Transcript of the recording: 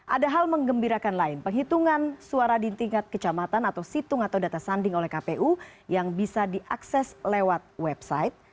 ada hal mengembirakan lain penghitungan suara di tingkat kecamatan atau situng atau data sanding oleh kpu yang bisa diakses lewat website